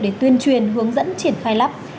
để tuyên truyền hướng dẫn các doanh nghiệp